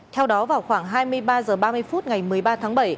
theo đó vào khoảng hai mươi ba h ba mươi phút ngày một mươi ba tháng bảy